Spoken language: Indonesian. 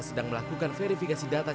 sedang melakukan verifikasi data